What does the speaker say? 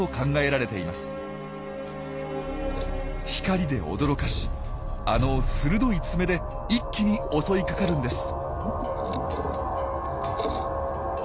光で驚かしあの鋭い爪で一気に襲いかかるんです。